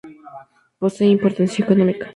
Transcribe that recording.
Posee importancia económica.